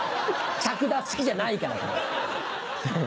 着脱式じゃないから。